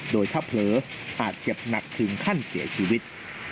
โดยถ้าเผลออาจเจ็บหนักถึงขั้นเสียชีวิต